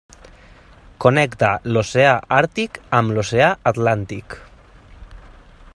Connecta l'oceà Àrtic amb l'oceà Atlàntic.